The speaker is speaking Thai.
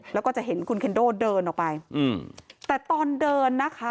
แล้วก็จะเห็นคุณเคนโดเดินออกไปอืมแต่ตอนเดินนะคะ